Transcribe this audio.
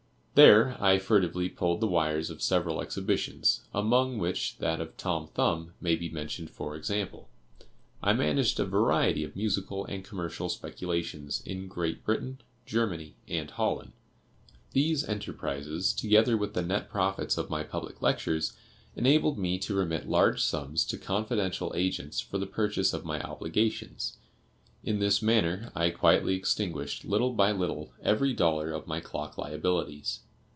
There I furtively pulled the wires of several exhibitions, among which that of Tom Thumb may be mentioned for example. I managed a variety of musical and commercial speculations in Great Britain, Germany, and Holland. These enterprises, together with the net profits of my public lectures, enabled me to remit large sums to confidential agents for the purchase of my obligations. In this manner, I quietly extinguished, little by little, every dollar of my clock liabilities.